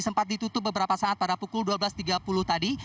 sempat ditutup beberapa saat pada pukul dua belas tiga puluh tadi